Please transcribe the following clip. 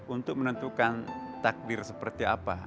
untuk menentukan takdir seperti apa